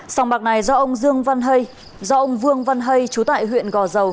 sòng bạc này do ông dương văn hay do ông vương văn hay chú tại huyện gò dầu